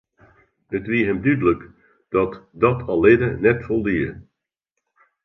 It wie him dúdlik dat dat allinne net foldie.